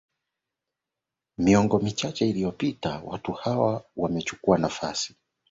miongo michache iliyopita watu hawa wamechukua nafasi